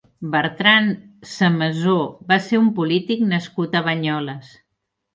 Bertran Samasó va ser un polític nascut a Banyoles.